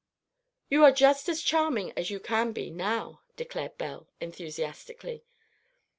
'" "You are just as charming as you can be now," declared Belle, enthusiastically.